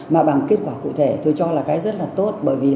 mà bằng kết quả cụ thể tôi cho là cái rất là tốt